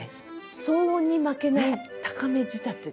「騒音に負けない高め仕立て」。